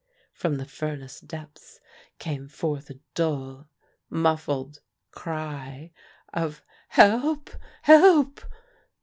From the furnace depths came forth a dull, muffled cry of "Help! Help!"